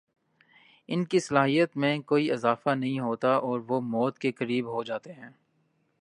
ان کی صلاحیت میں کوئی اضافہ نہیں ہوتا اور وہ موت کےقریب ہوجاتے ہیں